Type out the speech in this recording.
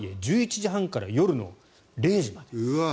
時半から夜の０時まで。